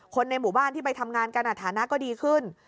ในหมู่บ้านที่ไปทำงานกันฐานะก็ดีขึ้น